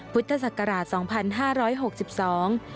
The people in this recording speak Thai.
พุทธศักราชสองพันห้าร้อยหกสิบสอง